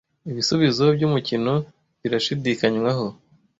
Ibisubizo byumukino birashidikanywaho.